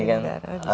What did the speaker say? iya kan biar denger